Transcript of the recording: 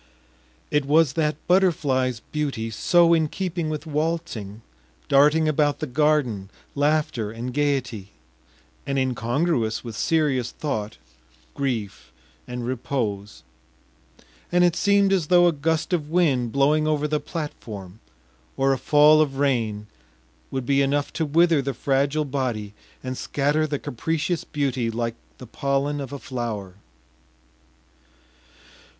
It was that butterfly’s beauty so in keeping with waltzing, darting about the garden, laughter and gaiety, and incongruous with serious thought, grief, and repose; and it seemed as though a gust of wind blowing over the platform, or a fall of rain, would be enough to wither the fragile body and scatter the capricious beauty like the pollen of a flower.